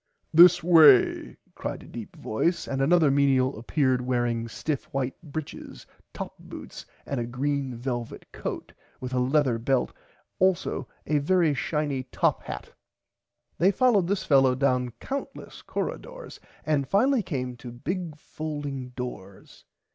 This way cried a deep voice and another menial apeared wearing stiff white britches top boots and a green velvit coat with a leather belt also a very shiny top hat. They followed this fellow down countless corridoors and finally came to big folding doors.